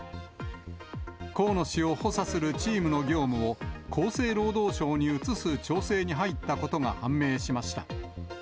河野氏を補佐するチームの業務を、厚生労働省に移す調整に入ったことが判明しました。